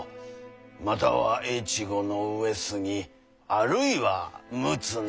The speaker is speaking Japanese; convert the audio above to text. または越後の上杉あるいは陸奥の。